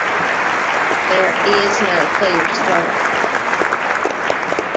There is no clerestory.